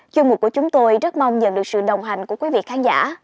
chương mục của chúng tôi rất mong nhận được sự đồng hành của quý vị khán giả